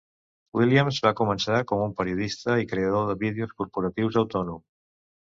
Williams va començar com un periodista i creador de vídeos corporatius autònom.